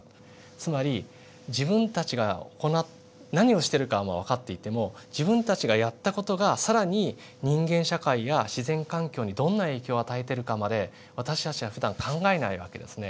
つまり自分たちが何をしてるかはわかっていても自分たちがやった事が更に人間社会や自然環境にどんな影響を与えているかまで私たちはふだん考えない訳ですね。